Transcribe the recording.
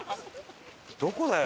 どこだよ！